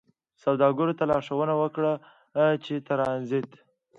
سوداګرو ته لارښوونه وکړه چې ترانزیت